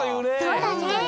そうだね。